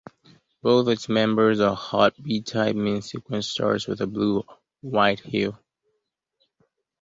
Both its members are hot, B-type main sequence stars with a blue-white hue.